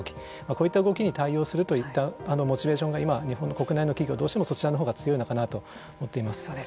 こういった動きに対応するといったモチベーションが今日本の国内の企業どうしてもそちらの方が強いのかなと思っています。